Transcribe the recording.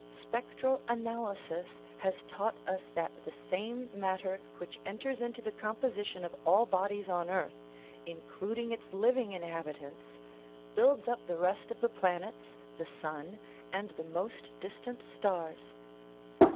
Spectral analysis has taught us that the same matter which enters into the composition of all bodies on earth, including its living inhabitants, builds up the rest of the planets, the sun, and the most distant stars.